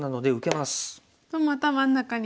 また真ん中に。